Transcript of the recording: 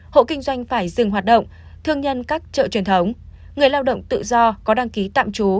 hộ kinh doanh phải dừng hoạt động thương nhân các chợ truyền thống người lao động tự do có đăng ký tạm trú